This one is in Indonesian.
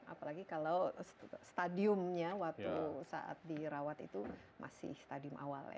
apalagi kalau stadiumnya waktu saat dirawat itu masih stadium awal ya